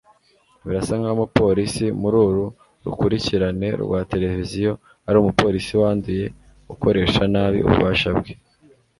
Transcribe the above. birasa nkaho umupolisi muri uru rukurikirane rwa televiziyo ari umupolisi wanduye ukoresha nabi ububasha bwe